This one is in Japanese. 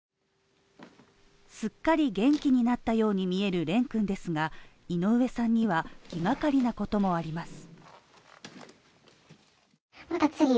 すっかり元気になったように見える蓮君ですが、井上さんには気がかりなこともあります。